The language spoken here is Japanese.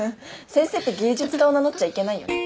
先生って芸術家を名乗っちゃいけないよね。